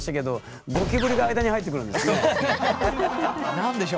何でしょう？